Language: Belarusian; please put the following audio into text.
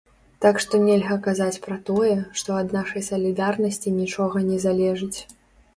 Так што нельга казаць пра тое, што ад нашай салідарнасці нічога не залежыць.